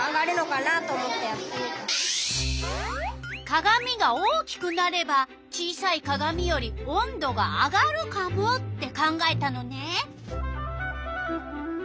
かがみが大きくなれば小さいかがみより温度が上がるかもって考えたのね。